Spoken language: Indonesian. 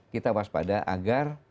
kita waspada agar